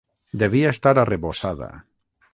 Devia estar arrebossada.